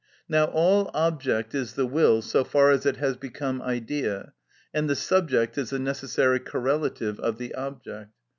Now all object is the will so far as it has become idea, and the subject is the necessary correlative of the object.